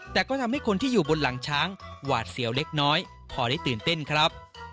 แต่ก็ทำให้คนที่อยู่บนหลังช้างหวาดเสียวเล็กน้อยพอได้ตื่นเต้นครับ